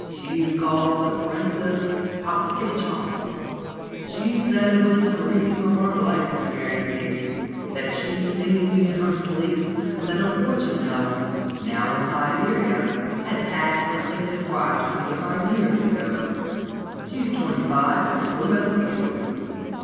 She's called the Princess Hopskipchoff. She said it was the dream of her life to marry me; that she's seen me in her sleep and that a fortune teller, now in Siberia, had accurately described me to her years ago. She's twenty five and true as steel.